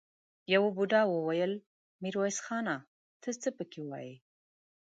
يوه بوډا وويل: ميرويس خانه! ته څه پکې وايې؟